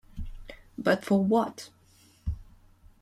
But for what?